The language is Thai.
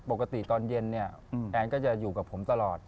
ปกติตอนเย็นเนี่ยแอนก็จะอยู่กับผมตลอด